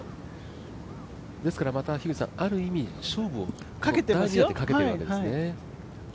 ですから、ある意味勝負をかけてるわけですね。